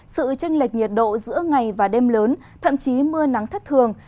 sự tranh lệch nhiệt độ giữa ngày và đêm lớn thậm chí mưa nắng thất thường